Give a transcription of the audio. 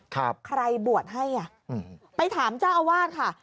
ใครบวชให้อ่ะอืมไปถามเจ้าอาวาสค่ะ